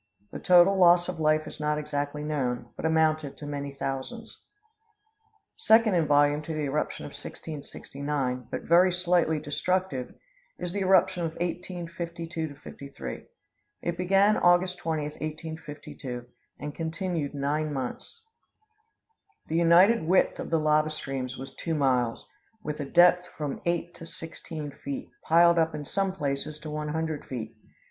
The total loss of life is not exactly known, but amounted to many thousands. Second in volume to the eruption of 1669, but very slightly destructive, is the eruption of 1852 53. It began August 20, 1852, and continued nine months. "The united width of the lava streams was two miles, with a depth of from eight to sixteen feet, piled up in some places to one hundred feet.